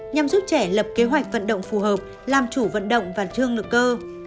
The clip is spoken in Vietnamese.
nhằm giúp trẻ lập kế hoạch vận động phù hợp làm chủ vận động và trương lực cơ